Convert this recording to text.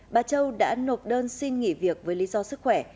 bà châu đã nộp đơn xin nghỉ việc với lý do sức khỏe